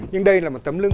nhưng đây là một tấm lưng